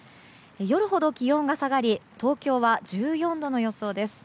夜ほど気温が下がり東京は１４度の予想です。